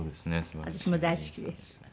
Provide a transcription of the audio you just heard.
私も大好きです。